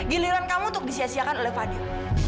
giliran kamu untuk disiasiakan oleh fadil